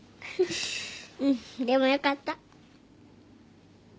うんでもよかった。